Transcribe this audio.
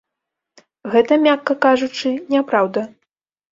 Гэта, мякка кажучы, няпраўда.